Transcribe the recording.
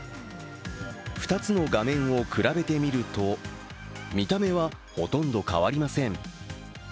２つの画面を比べてみると見た目はほとんど変わりません。